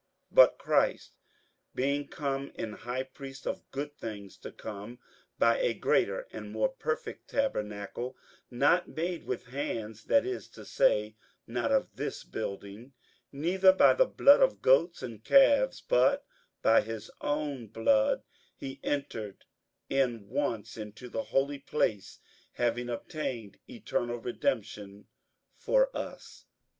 58:009:011 But Christ being come an high priest of good things to come, by a greater and more perfect tabernacle, not made with hands, that is to say, not of this building; 58:009:012 Neither by the blood of goats and calves, but by his own blood he entered in once into the holy place, having obtained eternal redemption for us.